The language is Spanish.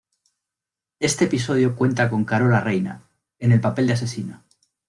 Este episodio cuenta con Carola Reyna, en el papel de asesina.